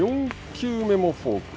４球目もフォーク。